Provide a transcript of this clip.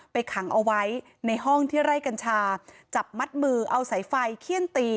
ขังเอาไว้ในห้องที่ไร่กัญชาจับมัดมือเอาสายไฟเขี้ยนตี